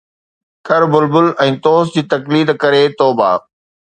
ڪر بلبل ۽ طوس جي تقليد ڪري توبه